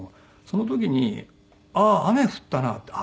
その時にああ雨降ったなって。